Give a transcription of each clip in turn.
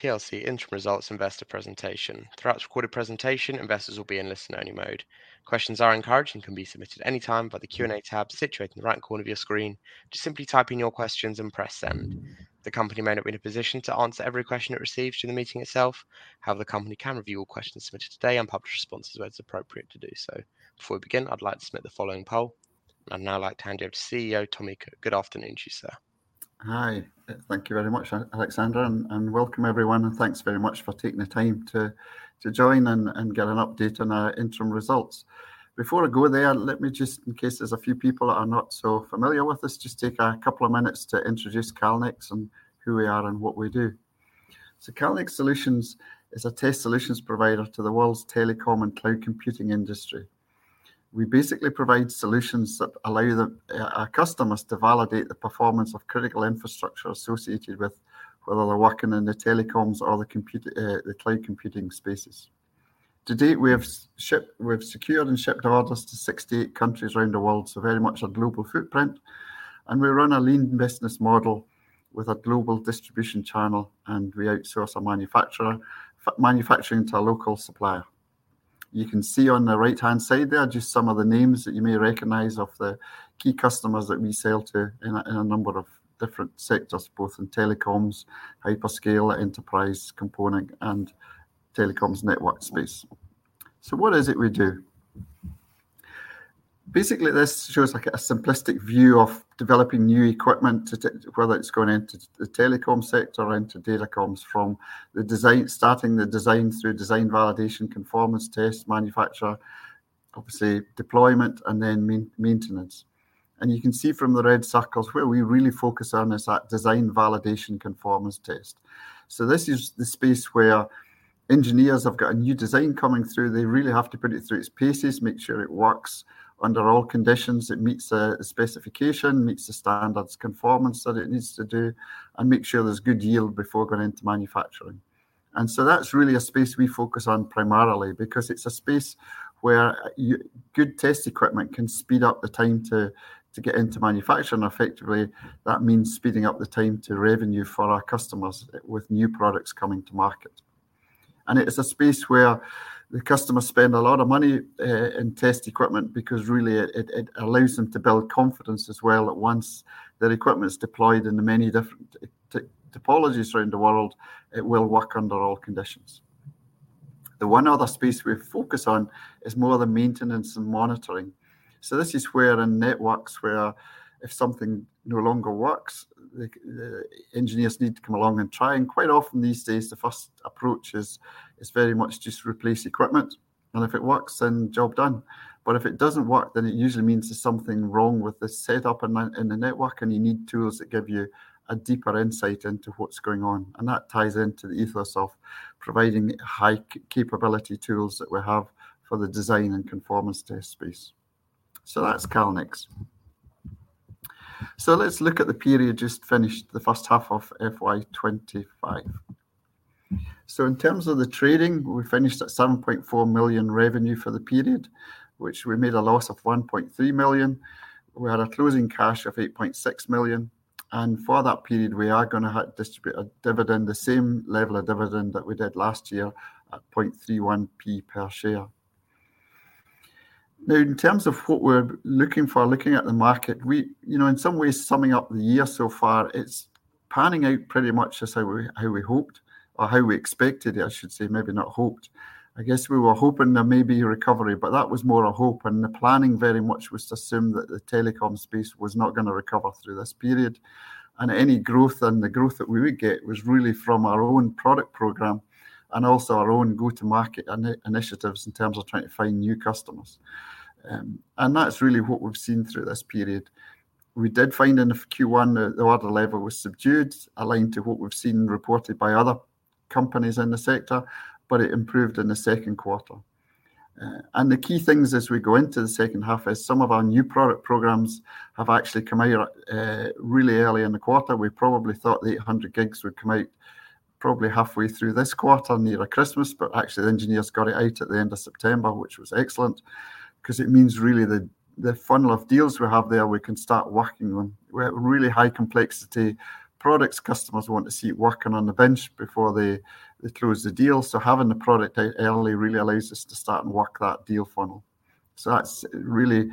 PLC Interim Results Investor Presentation. Throughout this recorded presentation, investors will be in listen-only mode. Questions are encouraged and can be submitted anytime via the Q&A tab situated in the right corner of your screen. Just simply type in your questions and press send. The company may not be in a position to answer every question it receives during the meeting itself; however, the company can review all questions submitted today and publish responses where it's appropriate to do so. Before we begin, I'd like to submit the following poll, and I'd now like to hand you over to CEO Tommy Cook. Good afternoon to you, sir. Hi, thank you very much, Alexander, and welcome everyone, and thanks very much for taking the time to join and get an update on our interim results. Before I go there, let me just, in case there's a few people that are not so familiar with us, just take a couple of minutes to introduce Calnex and who we are and what we do. So Calnex Solutions is a test solutions provider to the world's telecom and cloud computing industry. We basically provide solutions that allow our customers to validate the performance of critical infrastructure associated with whether they're working in the telecoms or the cloud computing spaces. To date, we have secured and shipped orders to 68 countries around the world, so very much a global footprint, and we run a lean business model with a global distribution channel, and we outsource our manufacturing to a local supplier. You can see on the right-hand side there are just some of the names that you may recognize of the key customers that we sell to in a number of different sectors, both in telecoms, hyperscale, enterprise component, and telecoms network space. So what is it we do? Basically, this shows a simplistic view of developing new equipment, whether it's going into the telecom sector or into data comms, from starting the design through design validation, conformance test, manufacturer, obviously deployment, and then maintenance. And you can see from the red circles where we really focus on is that design validation conformance test. So this is the space where engineers have got a new design coming through. They really have to put it through its paces, make sure it works under all conditions, it meets the specification, meets the standards, conformance that it needs to do, and make sure there's good yield before going into manufacturing. And so that's really a space we focus on primarily because it's a space where good test equipment can speed up the time to get into manufacturing effectively. That means speeding up the time to revenue for our customers with new products coming to market. And it's a space where the customers spend a lot of money in test equipment because really it allows them to build confidence as well that once their equipment is deployed in the many different topologies around the world, it will work under all conditions. The one other space we focus on is more the maintenance and monitoring. This is where, in networks where if something no longer works, the engineers need to come along and try. Quite often these days, the first approach is very much just replace equipment, and if it works, then job done. If it doesn't work, then it usually means there's something wrong with the setup in the network, and you need tools that give you a deeper insight into what's going on. That ties into the ethos of providing high capability tools that we have for the design and conformance test space. That's Calnex. Let's look at the period just finished, the first half of FY 2025. In terms of the trading, we finished at 7.4 million revenue for the period, which we made a loss of 1.3 million. We had a closing cash of 8.6 million. For that period, we are going to distribute a dividend, the same level of dividend that we did last year at 0.31p per share. Now, in terms of what we're looking for, looking at the market, in some ways, summing up the year so far, it's panning out pretty much just how we hoped or how we expected, I should say, maybe not hoped. I guess we were hoping there may be a recovery, but that was more a hope. And the planning very much was to assume that the telecom space was not going to recover through this period. And any growth and the growth that we would get was really from our own product program and also our own go-to-market initiatives in terms of trying to find new customers. And that's really what we've seen through this period. We did find in Q1, the order level was subdued, aligned to what we've seen reported by other companies in the sector, but it improved in the second quarter, and the key things as we go into the second half is some of our new product programs have actually come out really early in the quarter. We probably thought the 800 gigs would come out probably halfway through this quarter near Christmas, but actually the engineers got it out at the end of September, which was excellent because it means really the funnel of deals we have there, we can start working on. We have really high complexity products customers want to see working on the bench before they close the deal, so having the product out early really allows us to start and work that deal funnel, so that's really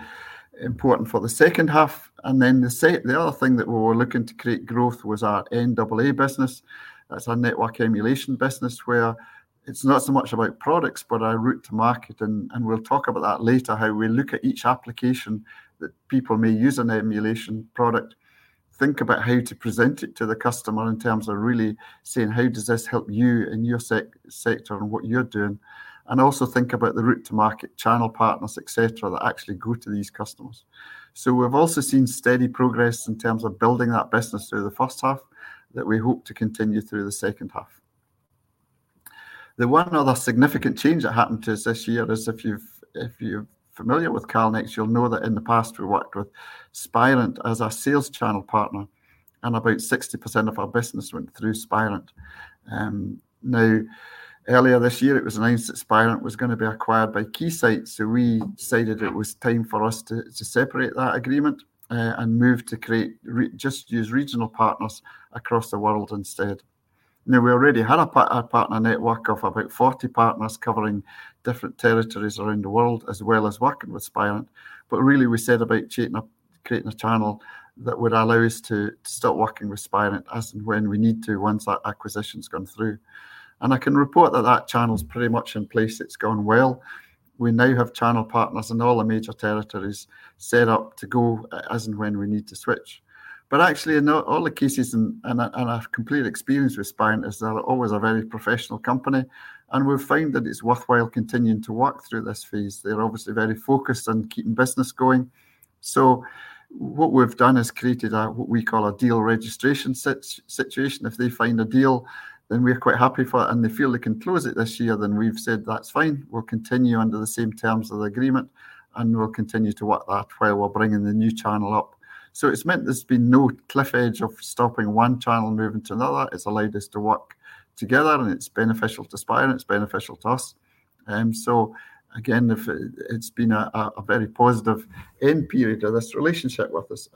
important for the second half. And then the other thing that we were looking to create growth was our NE business. That's our network emulation business where it's not so much about products, but our route to market. And we'll talk about that later, how we look at each application that people may use an emulation product, think about how to present it to the customer in terms of really saying, how does this help you in your sector and what you're doing? And also think about the route to market channel partners, et cetera, that actually go to these customers. So we've also seen steady progress in terms of building that business through the first half that we hope to continue through the second half. The one other significant change that happened to us this year is if you're familiar with Calnex, you'll know that in the past we worked with Spirent as our sales channel partner, and about 60% of our business went through Spirent. Now, earlier this year, it was announced that Spirent was going to be acquired by Keysight, so we decided it was time for us to separate that agreement and move to just use regional partners across the world instead. Now, we already had a partner network of about 40 partners covering different territories around the world, as well as working with Spirent. But really, we set about creating a channel that would allow us to stop working with Spirent as and when we need to once that acquisition's gone through. And I can report that that channel's pretty much in place. It's gone well. We now have channel partners in all the major territories set up to go as and when we need to switch, but actually, in all the cases and our complete experience with Spirent, they're always a very professional company, and we've found that it's worthwhile continuing to work through this phase. They're obviously very focused on keeping business going, so what we've done is created what we call a deal registration situation. If they find a deal, then we're quite happy for it, and they feel they can close it this year, then we've said, that's fine. We'll continue under the same terms of the agreement, and we'll continue to work that while we're bringing the new channel up, so it's meant there's been no cliff edge of stopping one channel and moving to another. It's allowed us to work together, and it's beneficial to Spirent. It's beneficial to us. So again, it's been a very positive end period of this relationship with us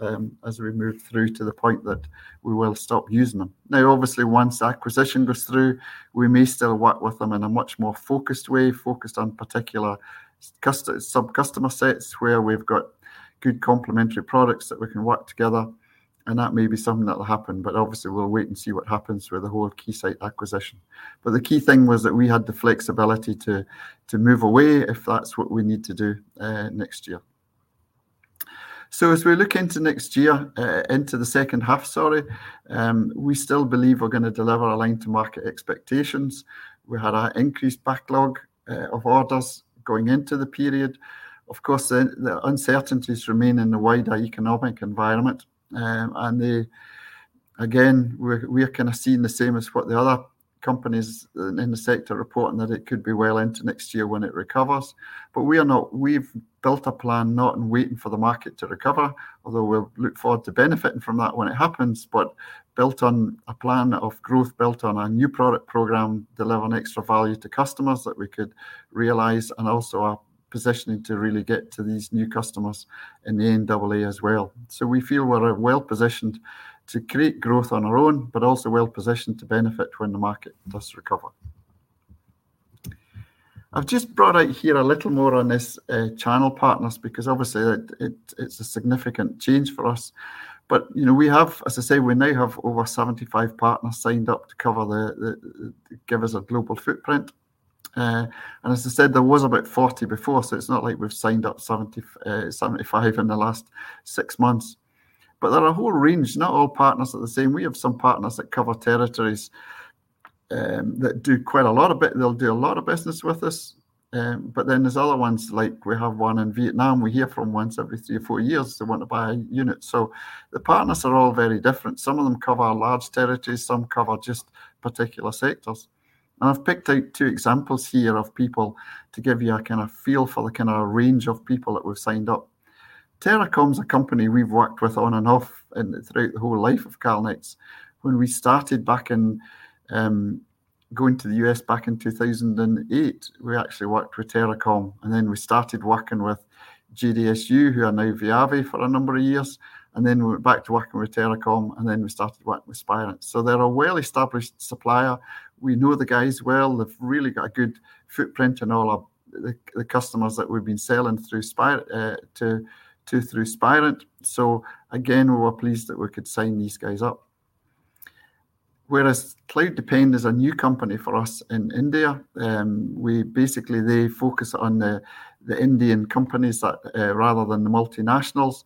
as we move through to the point that we will stop using them. Now, obviously, once acquisition goes through, we may still work with them in a much more focused way, focused on particular sub-customer sets where we've got good complementary products that we can work together. And that may be something that'll happen, but obviously, we'll wait and see what happens with the whole Keysight acquisition. But the key thing was that we had the flexibility to move away if that's what we need to do next year. So as we look into next year, into the second half, sorry, we still believe we're going to deliver aligned to market expectations. We had an increased backlog of orders going into the period. Of course, the uncertainties remain in the wider economic environment. And again, we're kind of seeing the same as what the other companies in the sector reporting that it could be well into next year when it recovers. But we've built a plan, not in waiting for the market to recover, although we'll look forward to benefiting from that when it happens, but built on a plan of growth, built on our new product program, delivering extra value to customers that we could realize, and also our positioning to really get to these new customers in the NE as well. So we feel we're well positioned to create growth on our own, but also well positioned to benefit when the market does recover. I've just brought out here a little more on this channel partners because obviously, it's a significant change for us. But we have, as I say, we now have over 75 partners signed up to give us a global footprint. And as I said, there was about 40 before, so it's not like we've signed up 75 in the last six months. But there are a whole range, not all partners are the same. We have some partners that cover territories that do quite a lot of it. They'll do a lot of business with us. But then there's other ones, like we have one in Vietnam. We hear from once every three or four years. They want to buy a unit. So the partners are all very different. Some of them cover large territories. Some cover just particular sectors. And I've picked out two examples here of people to give you a kind of feel for the kind of range of people that we've signed up. TeraComm is a company we've worked with on and off throughout the whole life of Calnex. When we started back in going to the U.S. back in 2008, we actually worked with TeraComm. And then we started working with JDSU, who are now Viavi for a number of years. And then we went back to working with TeraComm, and then we started working with Spirent. So they're a well-established supplier. We know the guys well. They've really got a good footprint in all of the customers that we've been selling through Spirent. So again, we were pleased that we could sign these guys up. Whereas CloudDepend is a new company for us in India. Basically, they focus on the Indian companies rather than the multinationals.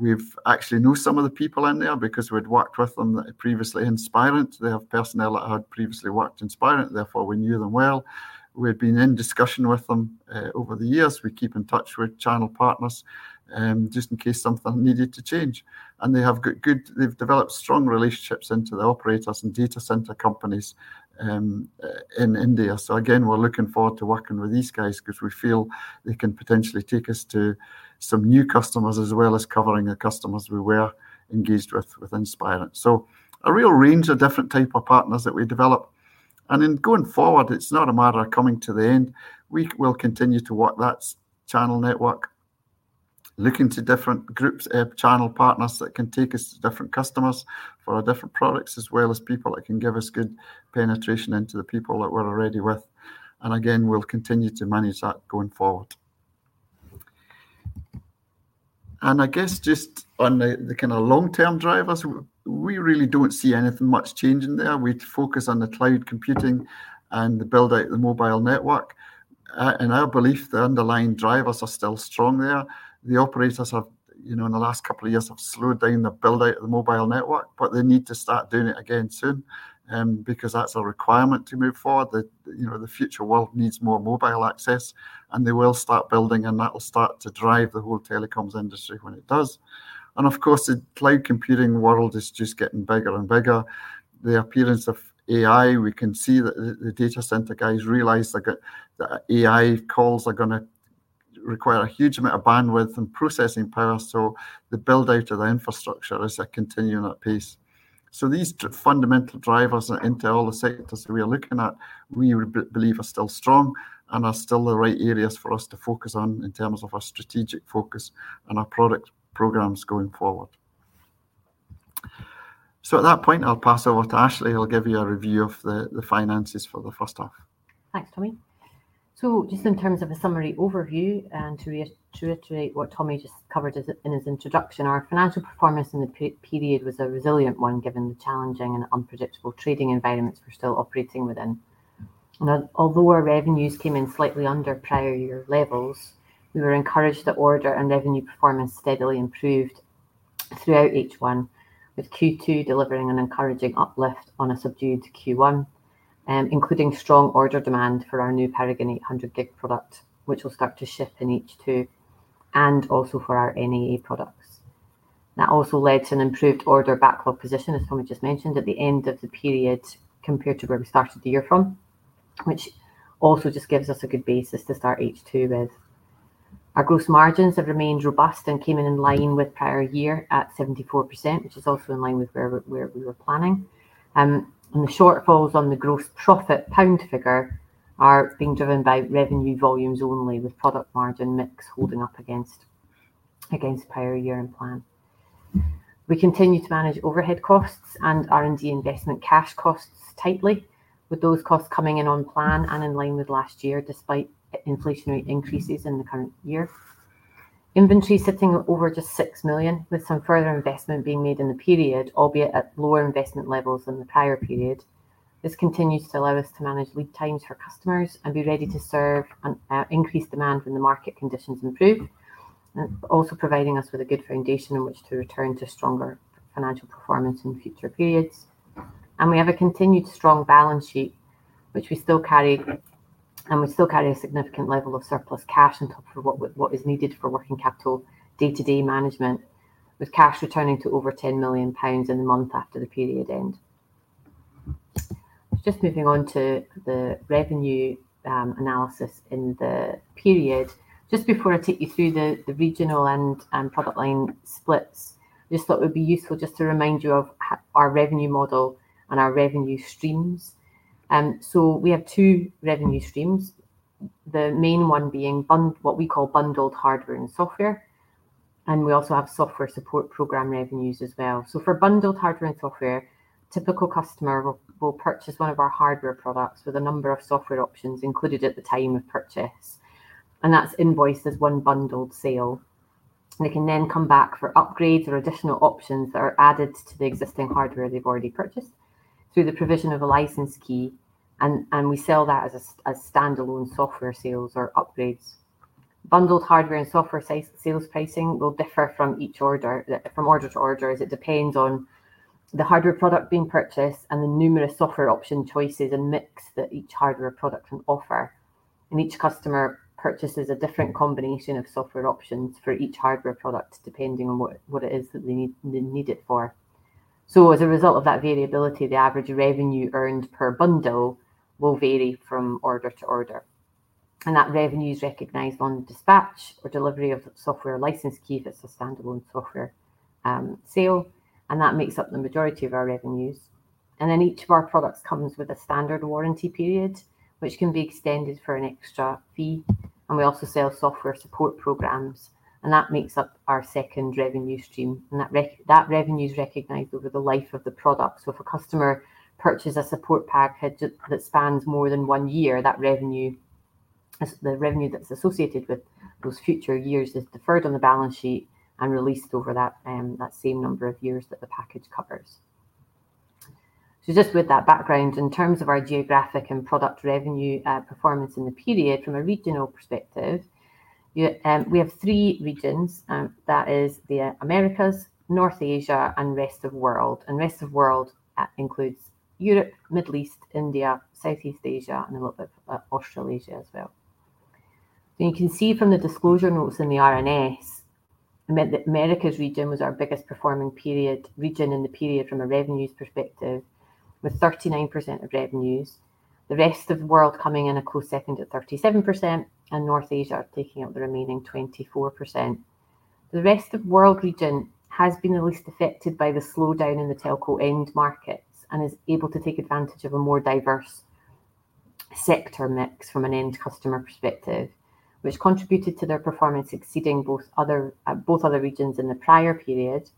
We've actually known some of the people in there because we'd worked with them previously in Spirent. They have personnel that had previously worked in Spirent. Therefore, we knew them well. We've been in discussion with them over the years. We keep in touch with channel partners just in case something needed to change. And they've developed strong relationships into the operators and data center companies in India. So again, we're looking forward to working with these guys because we feel they can potentially take us to some new customers as well as covering the customers we were engaged with within Spirent. So a real range of different types of partners that we develop. And then going forward, it's not a matter of coming to the end. We will continue to work that channel network, looking to different groups, channel partners that can take us to different customers for different products, as well as people that can give us good penetration into the people that we're already with. And again, we'll continue to manage that going forward. And I guess just on the kind of long-term drivers, we really don't see anything much changing there. We focus on the cloud computing and the build-out of the mobile network. In our belief, the underlying drivers are still strong there. The operators have, in the last couple of years, slowed down the build-out of the mobile network, but they need to start doing it again soon because that's a requirement to move forward. The future world needs more mobile access, and they will start building, and that'll start to drive the whole telecoms industry when it does. Of course, the cloud computing world is just getting bigger and bigger. The appearance of AI, we can see that the data center guys realize that AI calls are going to require a huge amount of bandwidth and processing power. So the build-out of the infrastructure is continuing at pace. So these fundamental drivers into all the sectors that we're looking at, we believe, are still strong and are still the right areas for us to focus on in terms of our strategic focus and our product programs going forward. So at that point, I'll pass over to Ashleigh. I'll give you a review of the finances for the first half. Thanks, Tommy. So just in terms of a summary overview and to reiterate what Tommy just covered in his introduction, our financial performance in the period was a resilient one given the challenging and unpredictable trading environments we're still operating within. Although our revenues came in slightly under prior year levels, we were encouraged that order and revenue performance steadily improved throughout H1, with Q2 delivering an encouraging uplift on a subdued Q1, including strong order demand for our new Paragon 800G product, which will start to ship in H2, and also for our NE products. That also led to an improved order backlog position, as Tommy just mentioned, at the end of the period compared to where we started the year from, which also just gives us a good basis to start H2 with. Our gross margins have remained robust and came in line with prior year at 74%, which is also in line with where we were planning, and the shortfalls on the gross profit pound figure are being driven by revenue volumes only, with product margin mix holding up against prior year and plan. We continue to manage overhead costs and R&D investment cash costs tightly, with those costs coming in on plan and in line with last year despite inflationary increases in the current year. Inventory sitting over just 6 million, with some further investment being made in the period, albeit at lower investment levels than the prior period. This continues to allow us to manage lead times for customers and be ready to serve and increase demand when the market conditions improve, also providing us with a good foundation on which to return to stronger financial performance in future periods. We have a continued strong balance sheet, which we still carry, and we still carry a significant level of surplus cash on top of what is needed for working capital day-to-day management, with cash returning to over 10 million pounds in the month after the period end. Just moving on to the revenue analysis in the period. Just before I take you through the regional and product line splits, I just thought it would be useful just to remind you of our revenue model and our revenue streams. We have two revenue streams, the main one being what we call bundled hardware and software. We also have software support program revenues as well. For bundled hardware and software, typical customer will purchase one of our hardware products with a number of software options included at the time of purchase. And that's invoiced as one bundled sale. They can then come back for upgrades or additional options that are added to the existing hardware they've already purchased through the provision of a license key. And we sell that as standalone software sales or upgrades. Bundled hardware and software sales pricing will differ from order to order as it depends on the hardware product being purchased and the numerous software option choices and mix that each hardware product can offer. And each customer purchases a different combination of software options for each hardware product depending on what it is that they need it for. So as a result of that variability, the average revenue earned per bundle will vary from order to order. And that revenue is recognized on dispatch or delivery of software license key if it's a standalone software sale. And that makes up the majority of our revenues. And then each of our products comes with a standard warranty period, which can be extended for an extra fee. And we also sell software support programs. And that makes up our second revenue stream. And that revenue is recognized over the life of the product. So if a customer purchases a support package that spans more than one year, that revenue, the revenue that's associated with those future years is deferred on the balance sheet and released over that same number of years that the package covers. So just with that background, in terms of our GEOgraphic and product revenue performance in the period, from a regional perspective, we have three regions. That is the Americas, North Asia, and Rest of the World. And Rest of the World includes Europe, Middle East, India, Southeast Asia, and a little bit of Australasia as well. You can see from the disclosure notes in the RNS that Americas region was our biggest performing region in the period from a revenues perspective, with 39% of revenues. The rest of the world coming in a close second at 37%, and North Asia taking up the remaining 24%. The rest of the world region has been the least affected by the slowdown in the telco end markets and is able to take advantage of a more diverse sector mix from an end customer perspective, which contributed to their performance exceeding both other regions in the prior period.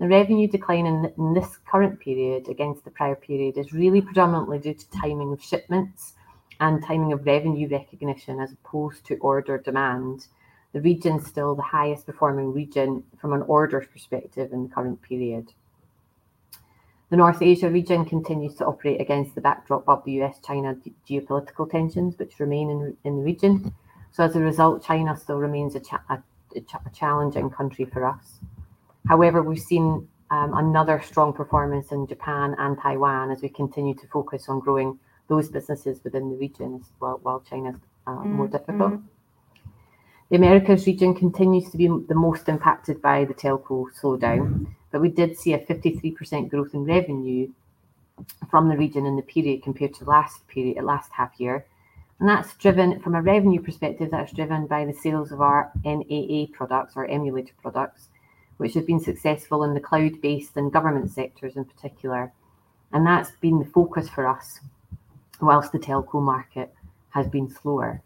The revenue decline in this current period against the prior period is really predominantly due to timing of shipments and timing of revenue recognition as opposed to order demand. The region is still the highest performing region from an order perspective in the current period. The North Asia region continues to operate against the backdrop of the U.S.-China GEOpolitical tensions, which remain in the region, so as a result, China still remains a challenging country for us. However, we've seen another strong performance in Japan and Taiwan as we continue to focus on growing those businesses within the region while China's more difficult. The Americas region continues to be the most impacted by the telco slowdown, but we did see a 53% growth in revenue from the region in the period compared to last period, the last half year, and that's driven from a revenue perspective that is driven by the sales of our NE products or emulator products, which have been successful in the cloud-based and government sectors in particular, and that's been the focus for us whilst the telco market has been slower.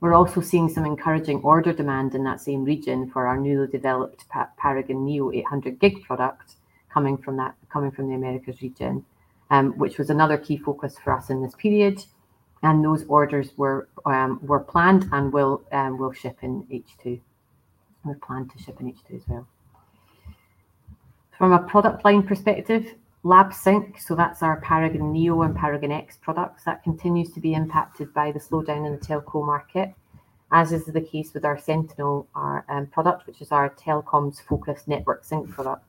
We're also seeing some encouraging order demand in that same region for our newly developed Paragon-neo 800G product coming from the Americas region, which was another key focus for us in this period. Those orders were planned and will ship in H2. We're planned to ship in H2 as well. From a product line perspective, Lab Sync, so that's our Paragon-neo and Paragon-X products, that continues to be impacted by the slowdown in the telco market, as is the case with our Sentinel product, which is our telecoms-focused network sync product.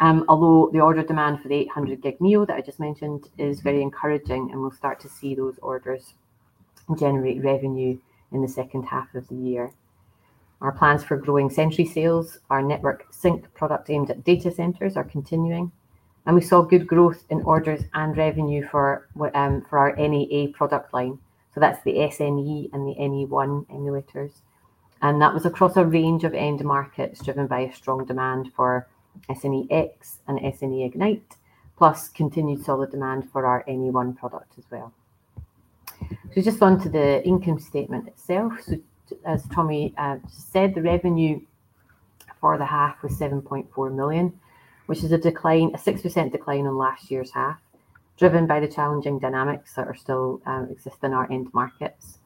Although the order demand for the 800G Neo that I just mentioned is very encouraging, and we'll start to see those orders generate revenue in the second half of the year. Our plans for growing Sentry sales, our network sync product aimed at data centers are continuing. We saw good growth in orders and revenue for our NE product line. That's the SNE and the NE-ONE emulators. That was across a range of end markets driven by a strong demand for SNE-X and SNE Ignite, plus continued solid demand for our NE-ONE product as well. Just onto the income statement itself. As Tommy said, the revenue for the half was 7.4 million, which is a decline, a 6% decline on last year's half, driven by the challenging dynamics that are still existing in our end markets.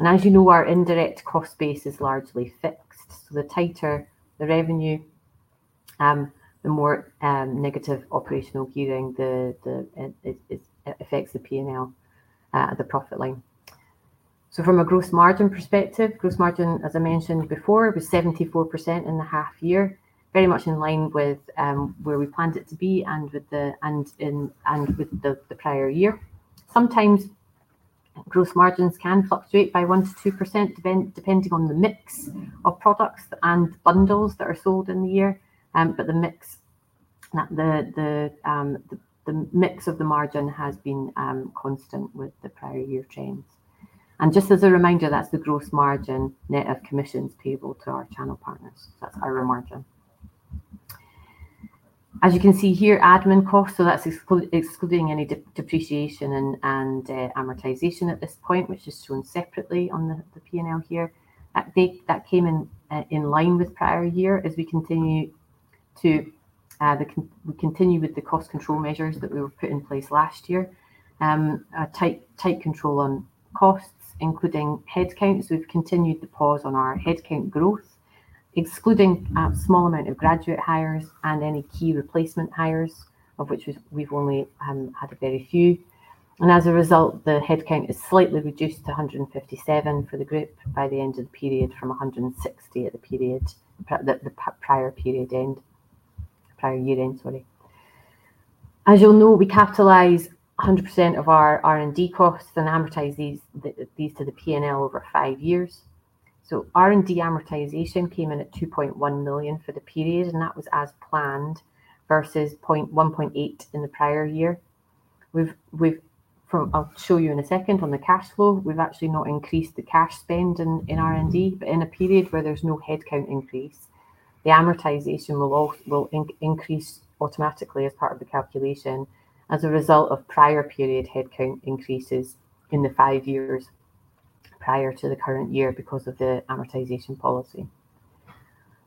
As you know, our indirect cost base is largely fixed. The tighter the revenue, the more negative operational gearing affects the P&L, the profit line. From a gross margin perspective, gross margin, as I mentioned before, was 74% in the half year, very much in line with where we planned it to be and with the prior year. Sometimes gross margins can fluctuate by 1%-2% depending on the mix of products and bundles that are sold in the year. The mix of the margin has been constant with the prior year trends. Just as a reminder, that's the gross margin net of commissions payable to our channel partners. That's our margin. As you can see here, admin costs, so that's excluding any depreciation and amortization at this point, which is shown separately on the P&L here, that came in line with prior year as we continue with the cost control measures that we put in place last year, tight control on costs, including headcounts. We've continued to pause on our headcount growth, excluding a small amount of graduate hires and any key replacement hires, of which we've only had very few, and as a result, the headcount is slightly reduced to 157 for the group by the end of the period from 160 at the period, the prior period end, prior year end, sorry. As you'll know, we capitalize 100% of our R&D costs and amortize these to the P&L over five years, so R&D amortization came in at 2.1 million for the period, and that was as planned versus 1.8 million in the prior year. I'll show you in a second on the cash flow. We've actually not increased the cash spend in R&D, but in a period where there's no headcount increase, the amortization will increase automatically as part of the calculation as a result of prior period headcount increases in the five years prior to the current year because of the amortization policy.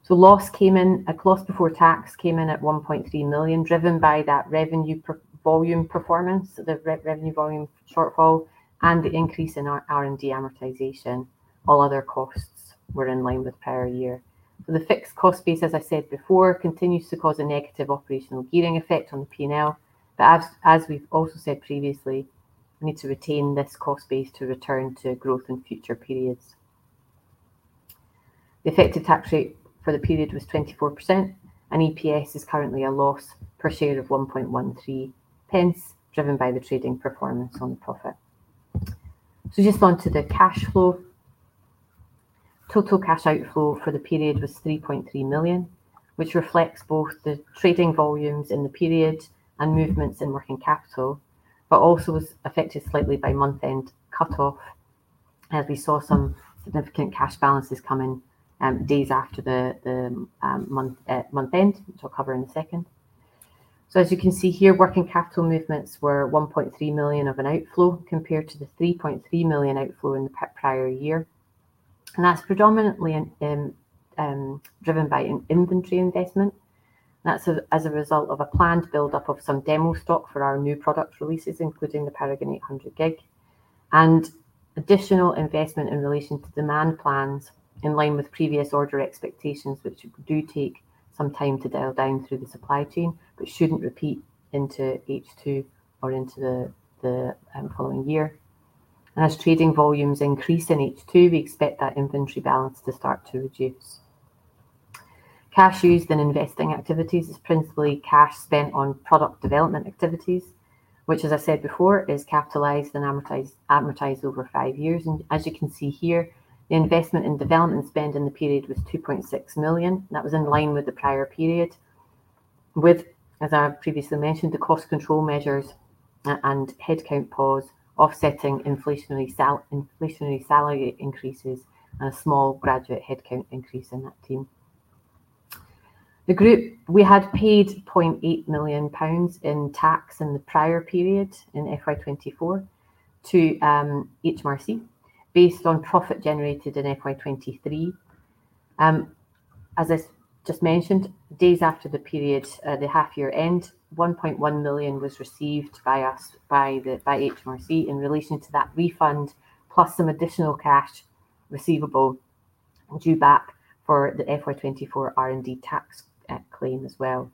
So loss came in, a loss before tax came in at 1.3 million, driven by that revenue volume performance, the revenue volume shortfall, and the increase in our R&D amortization. All other costs were in line with prior year. So the fixed cost base, as I said before, continues to cause a negative operational gearing effect on the P&L. But as we've also said previously, we need to retain this cost base to return to growth in future periods. The effective tax rate for the period was 24%, and EPS is currently a loss per share of 1.13 pence, driven by the trading performance on the profit. So just onto the cash flow. Total cash outflow for the period was 3.3 million, which reflects both the trading volumes in the period and movements in working capital, but also was affected slightly by month-end cutoff as we saw some significant cash balances come in days after the month-end, which I'll cover in a second. So as you can see here, working capital movements were 1.3 million of an outflow compared to the 3.3 million outflow in the prior year. And that's predominantly driven by inventory investment. That's as a result of a planned build-up of some demo stock for our new product releases, including the Paragon-neo 800G, and additional investment in relation to demand plans in line with previous order expectations, which do take some time to dial down through the supply chain, but shouldn't repeat into H2 or into the following year. As trading volumes increase in H2, we expect that inventory balance to start to reduce. Cash used in investing activities is principally cash spent on product development activities, which, as I said before, is capitalized and amortized over five years. As you can see here, the investment in development spend in the period was 2.6 million. That was in line with the prior period, with, as I previously mentioned, the cost control measures and headcount pause offsetting inflationary salary increases and a small graduate headcount increase in that team. The group, we had paid 0.8 million pounds in tax in the prior period in FY 2024 to HMRC based on profit generated in FY 2023. As I just mentioned, days after the period, the half-year end, 1.1 million was received from HMRC in relation to that refund, plus some additional cash receivable due back for the FY 2024 R&D tax claim as well.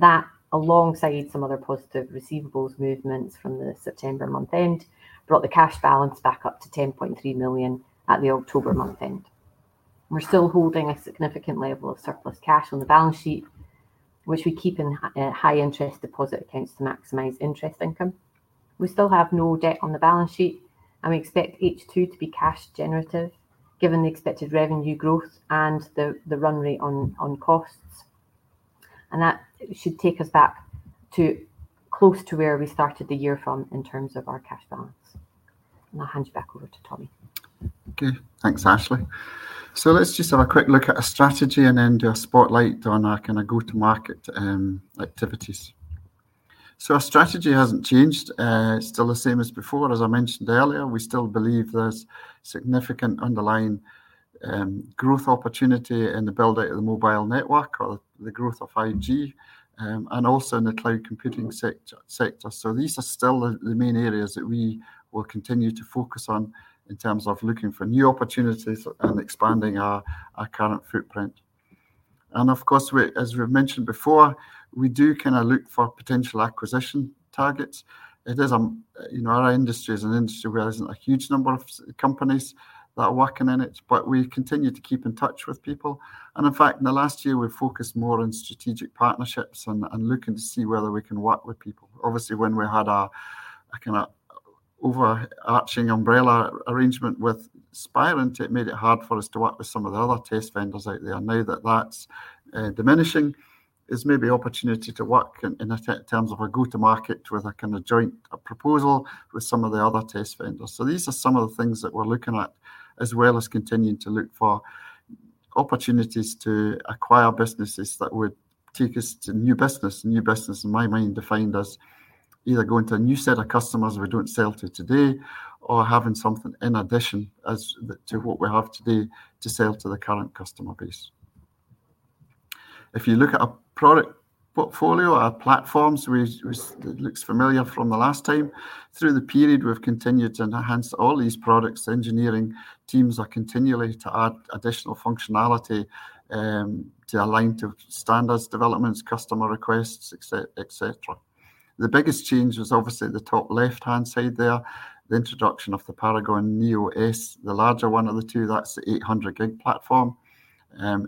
That, alongside some other positive receivables movements from the September month-end, brought the cash balance back up to 10.3 million at the October month-end. We're still holding a significant level of surplus cash on the balance sheet, which we keep in high-interest deposit accounts to maximize interest income. We still have no debt on the balance sheet, and we expect H2 to be cash-generative given the expected revenue growth and the run rate on costs. That should take us back close to where we started the year from in terms of our cash balance. I'll hand you back over to Tommy. Okay. Thanks, Ashleigh. Let's just have a quick look at our strategy and then do a spotlight on our kind of go-to-market activities. Our strategy hasn't changed. It's still the same as before. As I mentioned earlier, we still believe there's significant underlying growth opportunity in the build-out of the mobile network or the growth of 5G and also in the cloud computing sector. These are still the main areas that we will continue to focus on in terms of looking for new opportunities and expanding our current footprint. Of course, as we've mentioned before, we do kind of look for potential acquisition targets. Our industry is an industry where there isn't a huge number of companies that are working in it, but we continue to keep in touch with people, and in fact, in the last year, we've focused more on strategic partnerships and looking to see whether we can work with people. Obviously, when we had our kind of overarching umbrella arrangement with Spirent, it made it hard for us to work with some of the other test vendors out there. Now that that's diminishing, there's maybe opportunity to work in terms of a go-to-market with a kind of joint proposal with some of the other test vendors. So these are some of the things that we're looking at, as well as continuing to look for opportunities to acquire businesses that would take us to new business, new business in my mind, defined as either going to a new set of customers we don't sell to today or having something in addition to what we have today to sell to the current customer base. If you look at our product portfolio, our platforms, it looks familiar from the last time. Through the period, we've continued to enhance all these products. Engineering teams are continually to add additional functionality to align to standards, developments, customer requests, etc. The biggest change was obviously the top left-hand side there, the introduction of the Paragon neo-S, the larger one of the two. That's the 800G platform.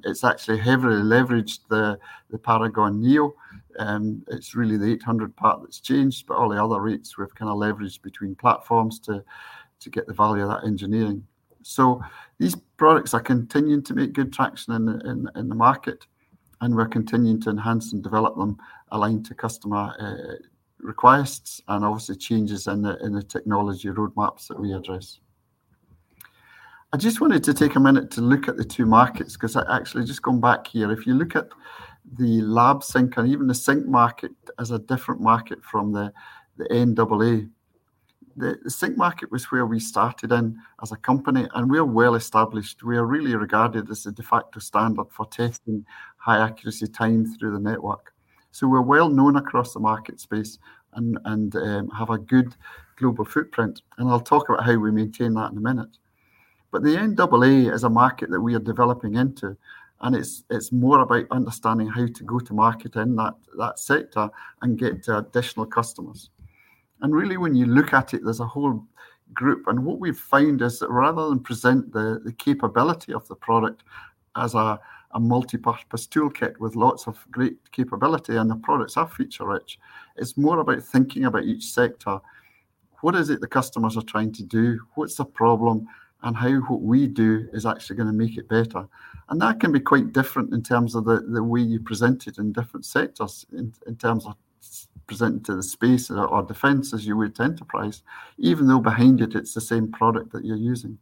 It's actually heavily leveraged the Paragon-neo. It's really the 800 part that's changed, but all the other rates we've kind of leveraged between platforms to get the value of that engineering. So these products are continuing to make good traction in the market, and we're continuing to enhance and develop them aligned to customer requests and obviously changes in the technology roadmaps that we address. I just wanted to take a minute to look at the two markets because actually, just going back here, if you look at the Lab Sync and even the Sync market as a different market from the NE, the Sync market was where we started in as a company, and we're well established. We are really regarded as a de facto standard for testing high-accuracy time through the network. So we're well known across the market space and have a good global footprint. I'll talk about how we maintain that in a minute. But the NE is a market that we are developing into, and it's more about understanding how to go-to-market in that sector and get additional customers. And really, when you look at it, there's a whole group. And what we've found is that rather than present the capability of the product as a multipurpose toolkit with lots of great capability and the products are feature-rich, it's more about thinking about each sector. What is it the customers are trying to do? What's the problem? And how what we do is actually going to make it better? And that can be quite different in terms of the way you present it in different sectors, in terms of presenting to the space or defense as you would to enterprise, even though behind it, it's the same product that you're using.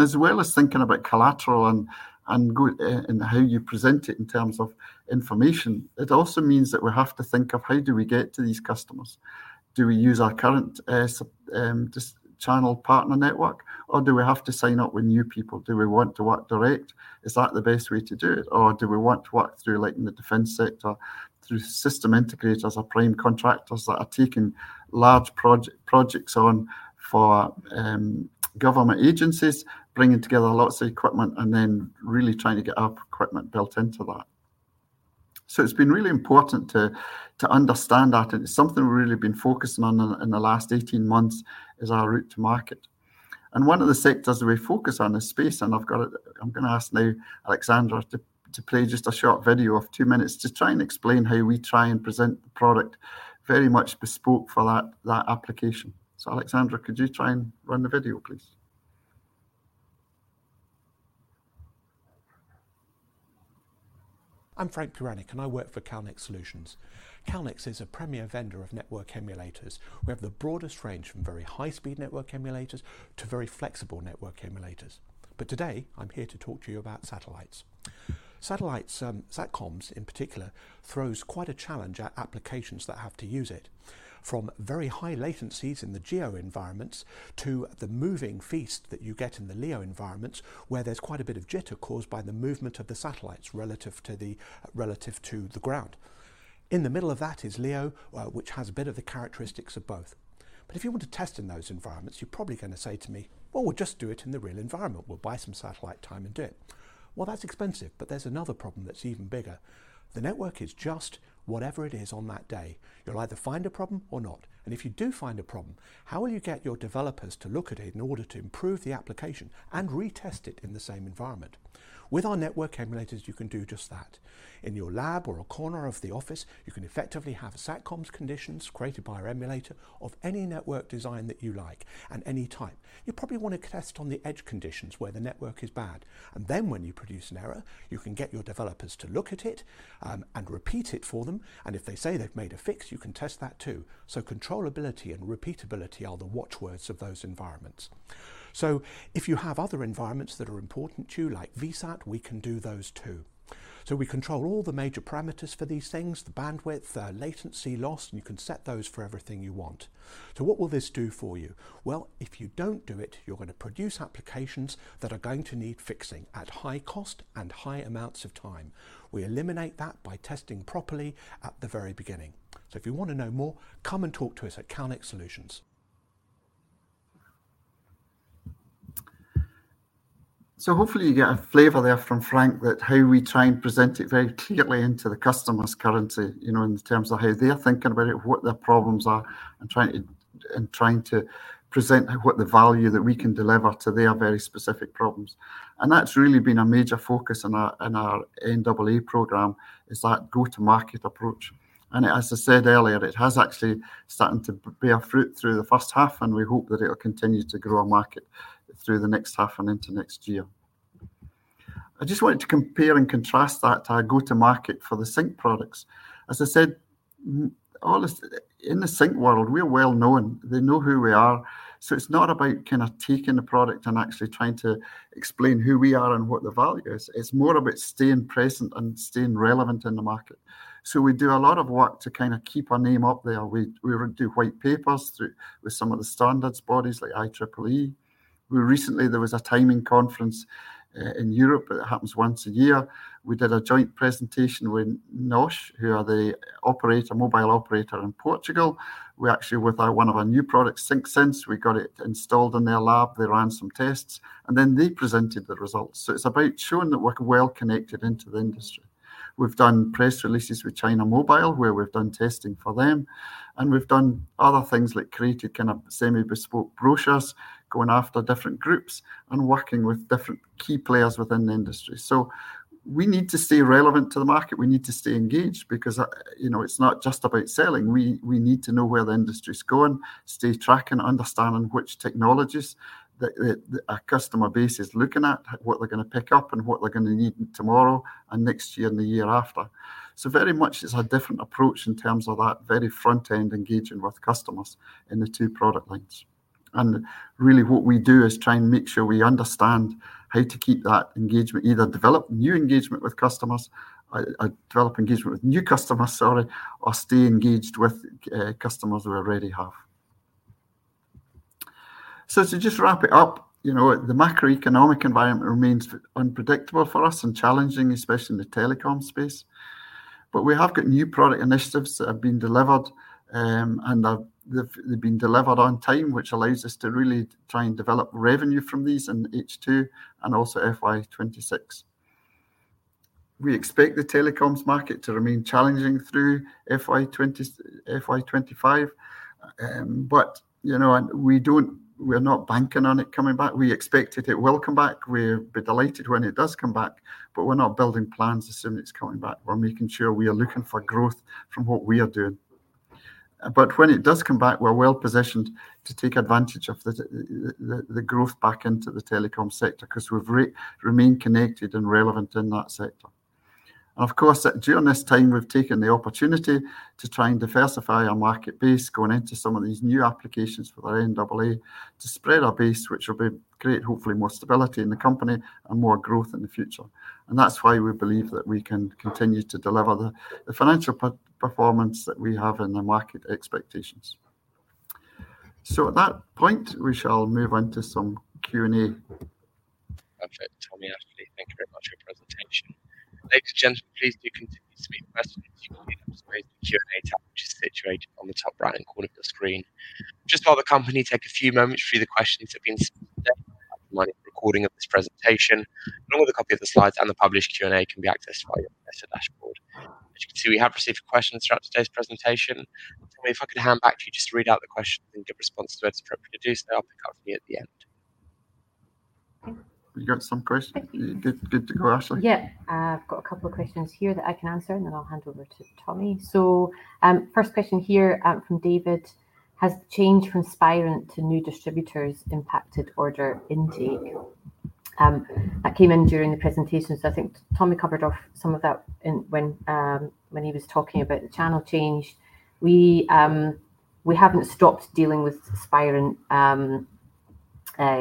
As well as thinking about collateral and how you present it in terms of information, it also means that we have to think of how do we get to these customers? Do we use our current channel partner network, or do we have to sign up with new people? Do we want to work direct? Is that the best way to do it? Or do we want to work through the defense sector through system integrators or prime contractors that are taking large projects on for government agencies, bringing together lots of equipment and then really trying to get our equipment built into that? It's been really important to understand that. It's something we've really been focusing on in the last 18 months is our route to market. One of the sectors we focus on is space. I'm going to ask now Alexander to play just a short video of two minutes to try and explain how we try and present the product very much bespoke for that application. Alexander, could you try and run the video, please? I'm Frank Puranik, and I work for Calnex Solutions. Calnex is a premier vendor of network emulators. We have the broadest range from very high-speed network emulators to very flexible network emulators. But today, I'm here to talk to you about satellites. Satellites, satcoms in particular, throws quite a challenge at applications that have to use it, from very high latencies in the GEO environments to the moving feast that you get in the LEO environments, where there's quite a bit of jitter caused by the movement of the satellites relative to the ground. In the middle of that is LEO, which has a bit of the characteristics of both. But if you want to test in those environments, you're probably going to say to me, "Well, we'll just do it in the real environment. We'll buy some satellite time and do it." Well, that's expensive, but there's another problem that's even bigger. The network is just whatever it is on that day. You'll either find a problem or not. And if you do find a problem, how will you get your developers to look at it in order to improve the application and retest it in the same environment? With our network emulators, you can do just that. In your lab or a corner of the office, you can effectively have satcoms conditions created by our emulator of any network design that you like and any type. You probably want to test on the edge conditions where the network is bad. And then when you produce an error, you can get your developers to look at it and repeat it for them. And if they say they've made a fix, you can test that too. So controllability and repeatability are the watchwords of those environments. So if you have other environments that are important to you, like VSAT, we can do those too. So we control all the major parameters for these things, the bandwidth, the latency loss, and you can set those for everything you want. So what will this do for you? Well, if you don't do it, you're going to produce applications that are going to need fixing at high cost and high amounts of time. We eliminate that by testing properly at the very beginning. So if you want to know more, come and talk to us at Calnex Solutions. So hopefully, you get a flavor there from Frank that how we try and present it very clearly into the customer's currency in terms of how they're thinking about it, what their problems are, and trying to present what the value that we can deliver to their very specific problems. And that's really been a major focus in our NE program, is that go-to-market approach. And as I said earlier, it has actually started to bear fruit through the first half, and we hope that it will continue to grow a market through the next half and into next year. I just wanted to compare and contrast that to our go-to-market for the Sync products. As I said, in the Sync world, we're well known. They know who we are. So it's not about kind of taking the product and actually trying to explain who we are and what the value is. It's more about staying present and staying relevant in the market. So we do a lot of work to kind of keep our name up there. We do white papers with some of the standards bodies like IEEE. Recently, there was a timing conference in Europe. It happens once a year. We did a joint presentation with NOS, who are the mobile operator in Portugal. We actually were there with one of our new products, SyncSense. We got it installed in their lab. They ran some tests, and then they presented the results. So it's about showing that we're well connected into the industry. We've done press releases with China Mobile, where we've done testing for them. We've done other things like created kind of semi-bespoke brochures, going after different groups and working with different key players within the industry. So we need to stay relevant to the market. We need to stay engaged because it's not just about selling. We need to know where the industry's going, stay tracking, understanding which technologies our customer base is looking at, what they're going to pick up, and what they're going to need tomorrow and next year and the year after. So very much it's a different approach in terms of that very front-end engaging with customers in the two product lines. And really, what we do is try and make sure we understand how to keep that engagement, either develop new engagement with customers, develop engagement with new customers, sorry, or stay engaged with customers we already have. So to just wrap it up, the macroeconomic environment remains unpredictable for us and challenging, especially in the telecom space. But we have got new product initiatives that have been delivered, and they've been delivered on time, which allows us to really try and develop revenue from these in H2 and also FY 2026. We expect the telecoms market to remain challenging through FY 2025. But we're not banking on it coming back. We expect that it will come back. We'll be delighted when it does come back, but we're not building plans assuming it's coming back. We're making sure we are looking for growth from what we are doing. But when it does come back, we're well positioned to take advantage of the growth back into the telecom sector because we've remained connected and relevant in that sector. And of course, during this time, we've taken the opportunity to try and diversify our market base, going into some of these new applications for the NE to spread our base, which will be great, hopefully, more stability in the company and more growth in the future. And that's why we believe that we can continue to deliver the financial performance that we have in the market expectations. So at that point, we shall move on to some Q&A. Perfect. Tommy, Ashleigh, thank you very much for your presentation. Ladies and gentlemen, please do continue to submit questions. You can see that Q&A tab, which is situated on the top right-hand corner of the screen. Just while the company takes a few moments for you, the questions have been submitted today. We'll have a recording of this presentation, along with a copy of the slides and the published Q&A, can be accessed via the dashboard. As you can see, we have received questions throughout today's presentation. Tommy, if I could hand back to you just to read out the questions and give responses to what's appropriate to do, so I'll pick up from you at the end. You got some questions? Good to go, Ashley? Yeah. I've got a couple of questions here that I can answer, and then I'll hand over to Tommy. So first question here from David. Has the change from Spirent to new distributors impacted order intake? That came in during the presentation. So I think Tommy covered off some of that when he was talking about the channel change. We haven't stopped dealing with Spirent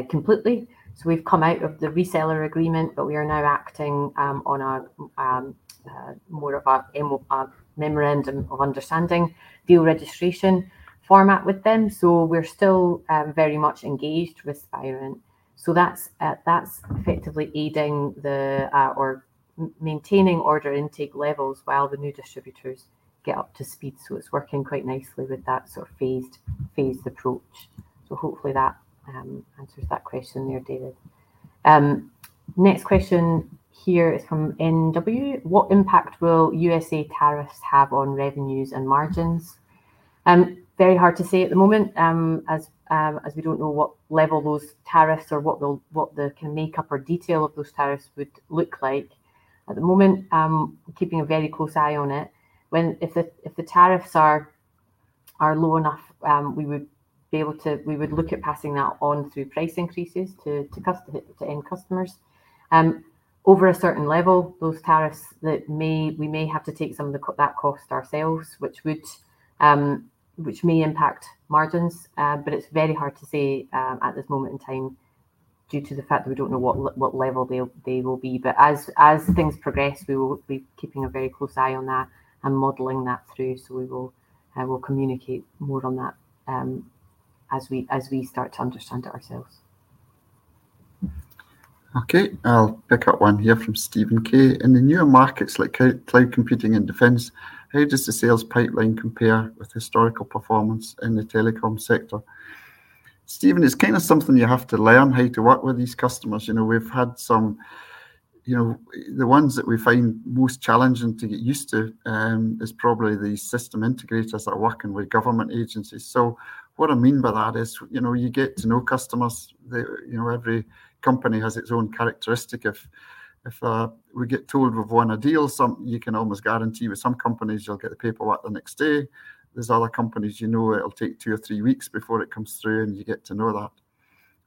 completely. We've come out of the reseller agreement, but we are now acting on more of a memorandum of understanding deal registration format with them. We're still very much engaged with Spirent. That's effectively aiding or maintaining order intake levels while the new distributors get up to speed. It's working quite nicely with that sort of phased approach. Hopefully, that answers that question there, David. Next question here is from NW. What impact will USA tariffs have on revenues and margins? Very hard to say at the moment as we don't know what level those tariffs or what the kind of makeup or detail of those tariffs would look like. At the moment, we're keeping a very close eye on it. If the tariffs are low enough, we would be able to look at passing that on through price increases to end customers. Over a certain level, those tariffs, we may have to take some of that cost ourselves, which may impact margins, but it's very hard to say at this moment in time due to the fact that we don't know what level they will be, but as things progress, we will be keeping a very close eye on that and modeling that through, so we will communicate more on that as we start to understand it ourselves. Okay. I'll pick up one here from Stephen K. In the newer markets like cloud computing and defense, how does the sales pipeline compare with historical performance in the telecom sector? Stephen, it's kind of something you have to learn how to work with these customers. We've had some, the ones that we find most challenging to get used to is probably the system integrators that are working with government agencies. What I mean by that is you get to know customers. Every company has its own characteristic. If we get told we've won a deal, you can almost guarantee with some companies, you'll get the paperwork the next day. There's other companies you know it'll take two or three weeks before it comes through, and you get to know that.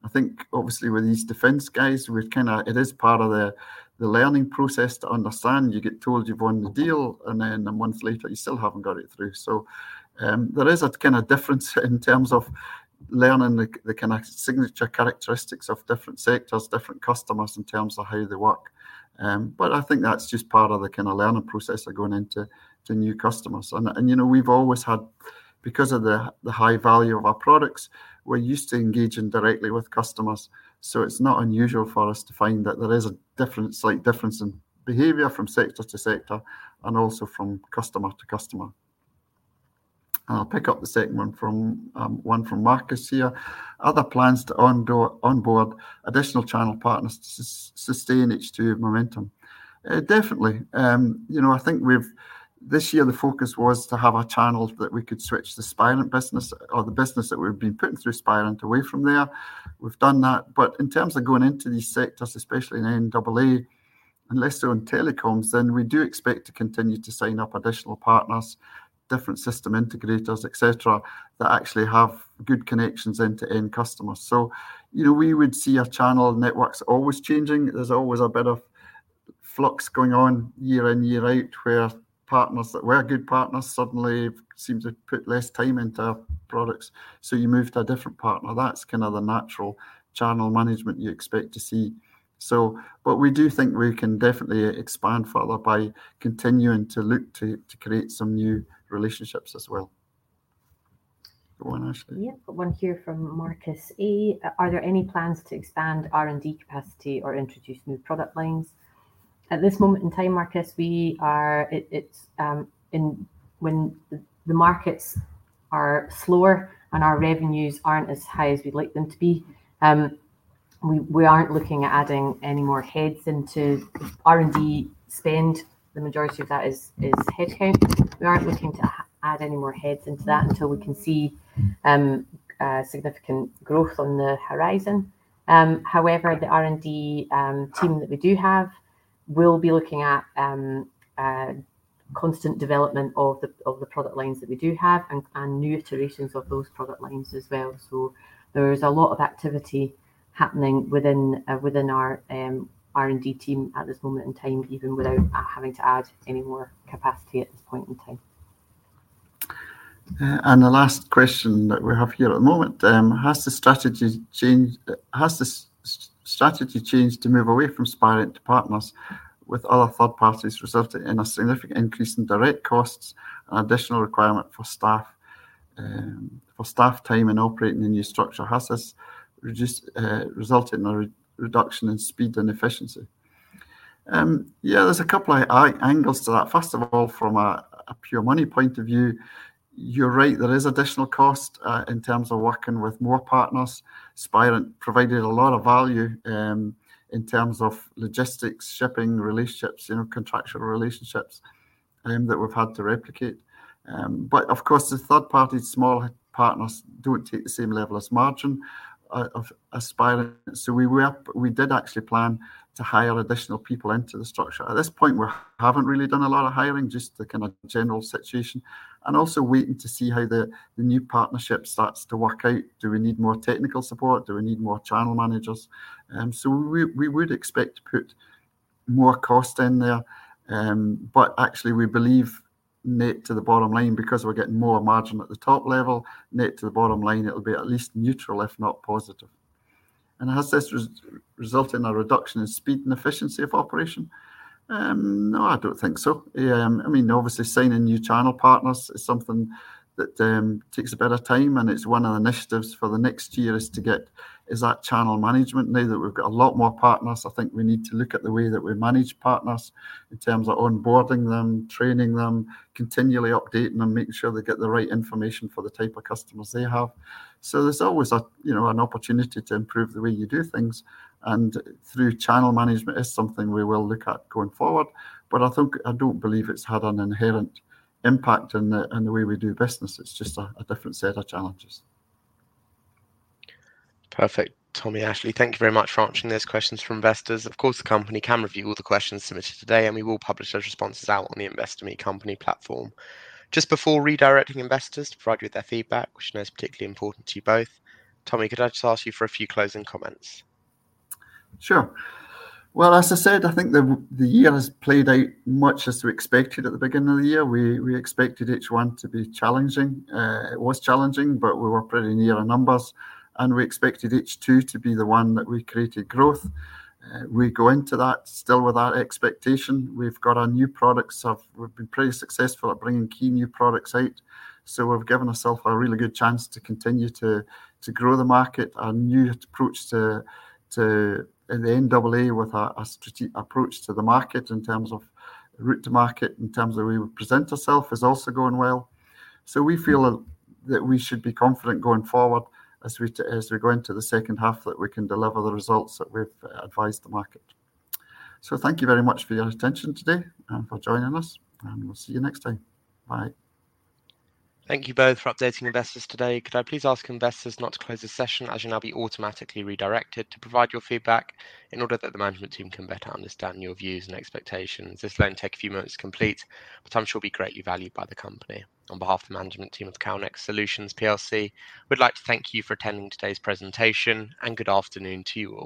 I think, obviously, with these defense guys, it is part of the learning process to understand. You get told you've won the deal, and then a month later, you still haven't got it through. So there is a kind of difference in terms of learning the kind of signature characteristics of different sectors, different customers in terms of how they work. But I think that's just part of the kind of learning process of going into new customers. We've always had, because of the high value of our products, we're used to engaging directly with customers. It's not unusual for us to find that there is a slight difference in behavior from sector to sector and also from customer to customer. I'll pick up the second one, the one from Marc here. Other plans to onboard additional channel partners to sustain H2 momentum? Definitely. I think this year, the focus was to have a channel that we could switch the Spirent business or the business that we've been putting through Spirent away from there. We've done that. But in terms of going into these sectors, especially in NE, and less so in telecoms, then we do expect to continue to sign up additional partners, different system integrators, etc., that actually have good connections into end customers. We would see our channel networks always changing. There's always a bit of flux going on year in, year out, where partners that were good partners suddenly seem to put less time into our products. So you move to a different partner. That's kind of the natural channel management you expect to see, but we do think we can definitely expand further by continuing to look to create some new relationships as well. Go on, Ashley. Yeah. One here from Mark Maurer. Are there any plans to expand R&D capacity or introduce new product lines? At this moment in time, Marc Maurer, when the markets are slower and our revenues aren't as high as we'd like them to be, we aren't looking at adding any more heads into R&D spend. The majority of that is headcount. We aren't looking to add any more heads into that until we can see significant growth on the horizon. However, the R&D team that we do have will be looking at constant development of the product lines that we do have and new iterations of those product lines as well. So there is a lot of activity happening within our R&D team at this moment in time, even without having to add any more capacity at this point in time. And the last question that we have here at the moment, has the strategy changed? Has the strategy changed to move away from Spirent to partners with other third parties, resulting in a significant increase in direct costs and additional requirement for staff time and operating the new structure? Has this resulted in a reduction in speed and efficiency? Yeah, there's a couple of angles to that. First of all, from a pure money point of view, you're right. There is additional cost in terms of working with more partners. Spirent provided a lot of value in terms of logistics, shipping relationships, contractual relationships that we've had to replicate, but of course, the third-party small partners don't take the same level of margin as Spirent. So we did actually plan to hire additional people into the structure. At this point, we haven't really done a lot of hiring, just the kind of general situation, and also waiting to see how the new partnership starts to work out. Do we need more technical support? Do we need more channel managers? So we would expect to put more cost in there, but actually, we believe net to the bottom line, because we're getting more margin at the top level, net to the bottom line, it'll be at least neutral, if not positive. Has this resulted in a reduction in speed and efficiency of operation? No, I don't think so. I mean, obviously, signing new channel partners is something that takes a bit of time, and it's one of the initiatives for the next year, is to get that channel management. Now that we've got a lot more partners, I think we need to look at the way that we manage partners in terms of onboarding them, training them, continually updating them, making sure they get the right information for the type of customers they have. So there's always an opportunity to improve the way you do things. And through channel management is something we will look at going forward. But I don't believe it's had an inherent impact in the way we do business. It's just a different set of challenges. Perfect. Tommy, Ashleigh, thank you very much for answering those questions from investors. Of course, the company can review all the questions submitted today, and we will publish those responses out on the Investor Meet Company platform. Just before redirecting investors to provide you with their feedback, which I know is particularly important to you both, Tommy, could I just ask you for a few closing comments? Sure. Well, as I said, I think the year has played out much as we expected at the beginning of the year. We expected H1 to be challenging. It was challenging, but we were pretty near our numbers. And we expected H2 to be the one that we created growth. We go into that still with that expectation. We've got our new products. We've been pretty successful at bringing key new products out. So we've given ourselves a really good chance to continue to grow the market. Our new approach to the NE with our strategic approach to the market in terms of route to market, in terms of the way we present ourselves, is also going well. So we feel that we should be confident going forward as we go into the second half that we can deliver the results that we've advised the market. So thank you very much for your attention today and for joining us. And we'll see you next time. Bye. Thank you both for updating investors today. Could I please ask investors not to close the session as you'll now be automatically redirected to provide your feedback in order that the management team can better understand your views and expectations? This will only take a few moments to complete, but I'm sure it'll be greatly valued by the company. On behalf of the management team of Calnex Solutions PLC, we'd like to thank you for attending today's presentation, and good afternoon to you all.